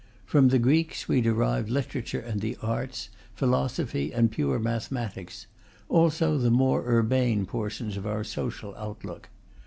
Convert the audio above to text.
From the Greeks we derive literature and the arts, philosophy and pure mathematics; also the more urbane portions of our social outlook.